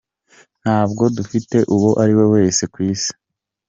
Nta bwoba dufitiye uwo ariwe wese ku Isi.